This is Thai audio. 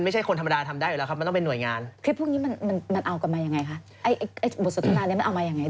จริงหรือเปล่า